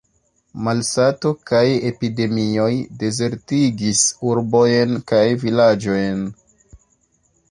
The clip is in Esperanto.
Malsato kaj epidemioj dezertigis urbojn kaj vilaĝojn.